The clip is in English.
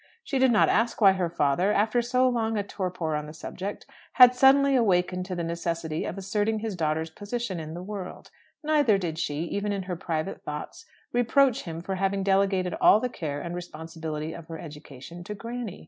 She did not ask why her father, after so long a torpor on the subject, had suddenly awakened to the necessity of asserting his daughter's position in the world; neither did she, even in her private thoughts, reproach him for having delegated all the care and responsibility of her education to "granny."